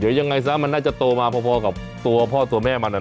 เดี๋ยวยังไงซะมันน่าจะโตมาพอกับตัวพ่อตัวแม่มัน